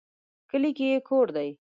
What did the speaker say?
کلي کې یې کور دی